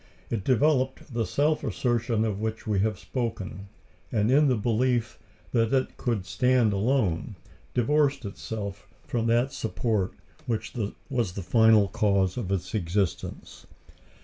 It developed the self assertion of which we have spoken, and, in the belief that it could stand alone, divorced itself from that support which was the final cause of its existence.